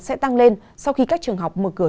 sẽ tăng lên sau khi các trường học mở cửa